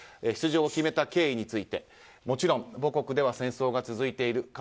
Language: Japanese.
出場を決めた経緯についてもちろん母国では戦争が続いている。